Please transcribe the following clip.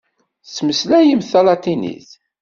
Tettmeslayemt talatinit?